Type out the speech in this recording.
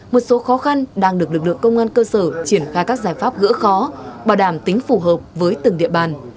một số khó khăn đang được lực lượng công an cơ sở triển khai các giải pháp gỡ khó bảo đảm tính phù hợp với từng địa bàn